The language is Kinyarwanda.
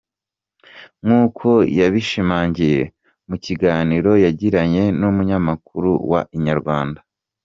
Nk’uko yabishimangiye mu kiganiro yagiranye n’umunyamakuru wa Inyarwanda.